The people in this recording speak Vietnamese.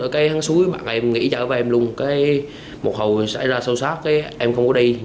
cảm ơn các bạn